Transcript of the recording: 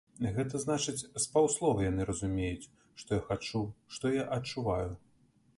Гэта значыць, з паўслова яны разумеюць, што я хачу, што я адчуваю.